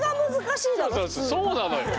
そうなのよ。